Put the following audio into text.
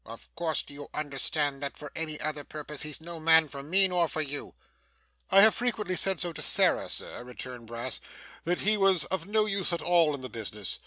of course do you understand that for any other purpose he's no man for me, nor for you?' 'I have frequently said to Sarah, sir,' returned Brass, 'that he was of no use at all in the business.